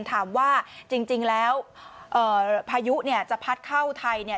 ถามว่าจริงแล้วพายุจะพัดเข้าไทย